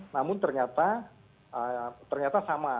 namun ternyata ternyata sama